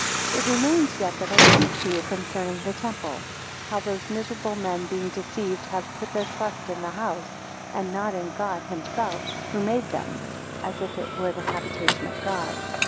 11 It remains yet that I speak to you concerning the temple: how those miserable men being deceived have put their trust in the house, and not in God himself who made them, as if it were the habitation of God.